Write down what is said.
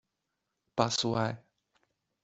巴苏埃。